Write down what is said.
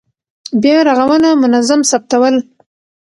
بیا رغونه منظم ثبتول.